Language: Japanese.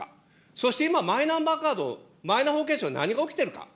そして今、マイナンバーカード、マイナ保険証、何が起きてるか。